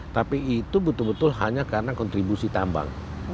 tapi itu betul betul hanya karena kontribusi tambang